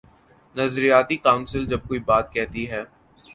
نظریاتی کونسل جب کوئی بات کہتی ہے۔